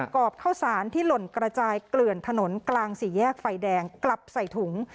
รอบข้าวสารที่หล่นกระจายเกลื่อนถนนกลางสี่แยกไฟแดงกลับใส่ถุง